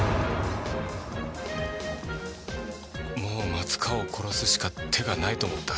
もう松川を殺すしか手がないと思った。